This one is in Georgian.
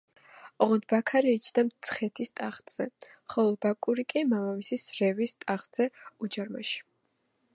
ოღონდ ბაქარი იჯდა მცხეთის ტახტზე, ხოლო ბაკური კი მამამისის რევის ტახტზე უჯარმაში.